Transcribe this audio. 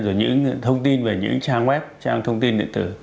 rồi những thông tin về những trang web trang thông tin nguyện tử